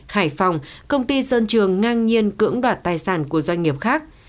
hải phòng công ty sơn trường ngang nhiên cưỡng đoạt tài sản của doanh nghiệp khác